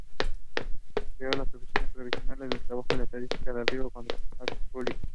Creó las Oficinas Provinciales del Trabajo y de Estadística, el Registro de Contratos Públicos.